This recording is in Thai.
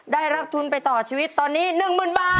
ได้รับทุนไปต่อชีวิตตอนนี้๑๐๐๐บาท